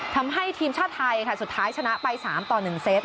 ทำให้ทีมชาติไทยสุดท้ายชนะไป๓ต่อ๑เซต